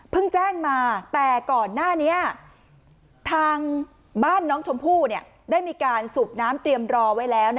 แจ้งมาแต่ก่อนหน้านี้ทางบ้านน้องชมพู่ได้มีการสูบน้ำเตรียมรอไว้แล้ว